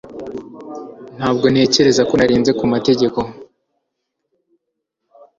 Ntabwo ntekereza ko narenze ku mategeko